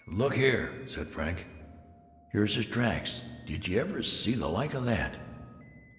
"Gee! look here," said Frank; "here's his tracks. Did you ever see the like of that?"